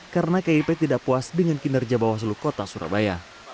karena kiip tidak puas dengan kinerja bawah selu kota surabaya